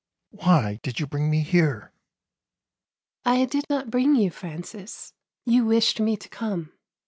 " Why did you bring me here ?"" I did not bring you, Francis ; you wished me to come.